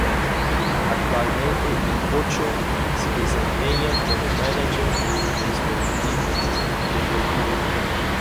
Actualmente "El Pocho" se desempeña como mánager deportivo.